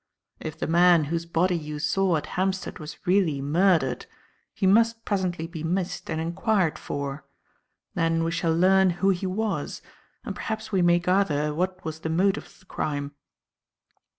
If the man whose body you saw at Hampstead was really murdered, he must presently be missed and enquired for. Then we shall learn who he was and perhaps we may gather what was the motive of the crime.